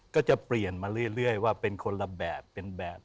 ก็จะเปลี่ยนมาเรื่อยว่าเป็นคนละแบบเป็นแบบ